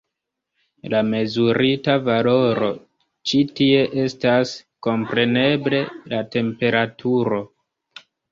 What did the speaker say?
La mezurita valoro ĉi tie estas, kompreneble, la temperaturo.